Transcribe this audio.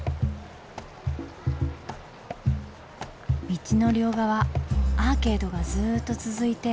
道の両側アーケードがずっと続いて。